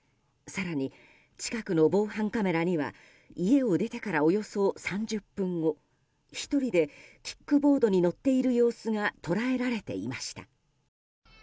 更に近くの防犯カメラには家を出てから、およそ３０分後１人でキックボードに乗っている様子が捉えられていました。